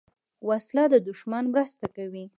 وسله د دوښمن مرسته کوي